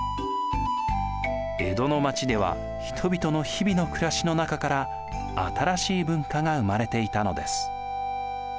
江戸の町では人々の日々の暮らしの中から新しい文化が生まれていたのです。